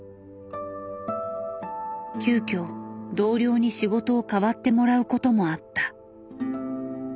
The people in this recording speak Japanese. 急きょ同僚に仕事をかわってもらうこともあった。